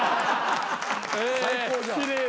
最高じゃん。